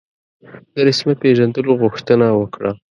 د رسمیت پېژندلو غوښتنه وکړه.